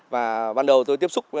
và ban đầu tôi tiếp xúc